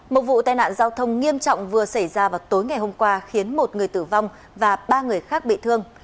một vụ tai nạn giao thông nghiêm trọng vừa xảy ra vào tối ngày hôm qua khiến một người tử vong và ba người khác bị thương